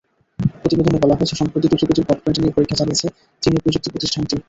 প্রতিবেদনে বলা হয়েছে, সম্প্রতি দ্রুতগতির ব্রডব্যান্ড নিয়ে পরীক্ষা চালিয়েছে চীনের প্রযুক্তি প্রতিষ্ঠানটি।